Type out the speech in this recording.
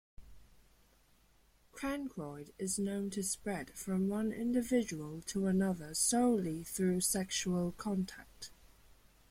Chancroid is known to spread from one individual to another solely through sexual contact.